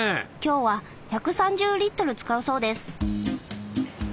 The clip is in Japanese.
今日は１３０リットル使うそうです。